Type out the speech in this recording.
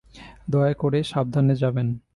দয়া করে, সাবধানে যাবেন।